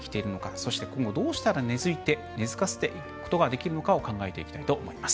そして、今後どうしたら根づかせていくことができるのか考えていきたいと思います。